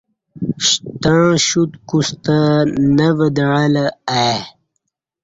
شتݩع شوت کُستہ نہ ودعہ لہ ای